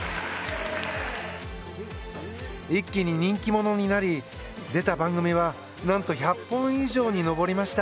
一気に人気者になり、出た番組は何と１００本以上に上りました。